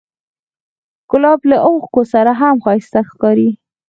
ګلاب له اوښکو سره هم ښایسته ښکاري.